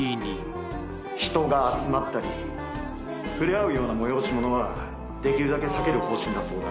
人が集まったり触れ合うような催し物はできるだけ避ける方針だそうだ。